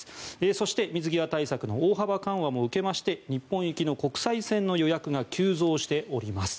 そして、水際対策の大幅緩和も受けまして日本行きの国際線の予約が急増しております。